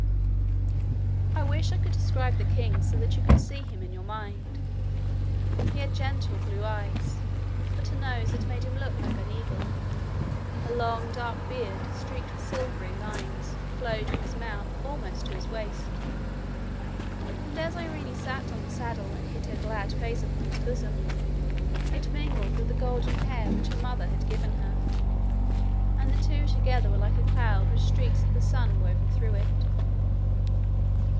I wish I could describe the king so that you could see him in your mind. He had gentle, blue eyes, but a nose that made him look like an eagle. A long dark beard, streaked with silvery lines, flowed from his mouth almost to his waist, and as Irene sat on the saddle and hid her glad face upon his bosom it mingled with the golden hair which her mother had given her, and the two together were like a cloud with streaks of the sun woven through it.